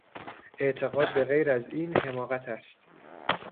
اعتقاد به غیر از این حماقت است.